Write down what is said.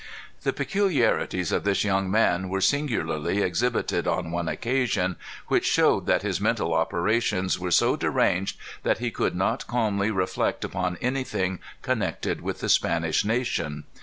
'" The peculiarities of this young man were singularly exhibited on one occasion, which showed that his mental operations were so deranged that he could not calmly reflect upon anything connected with the Spanish nation.